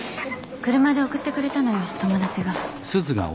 車で送ってくれたのよ友達が。